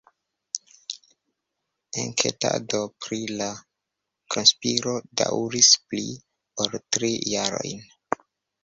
Enketado pri la konspiro daŭris pli ol tri jarojn.